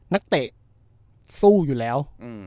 นักเตะสู้อยู่แล้ว